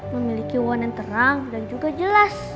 memiliki wan yang terang dan juga jelas